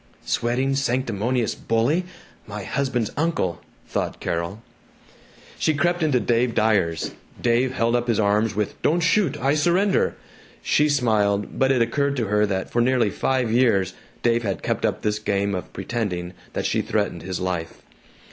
"Sweating sanctimonious bully my husband's uncle!" thought Carol. She crept into Dave Dyer's. Dave held up his arms with, "Don't shoot! I surrender!" She smiled, but it occurred to her that for nearly five years Dave had kept up this game of pretending that she threatened his life.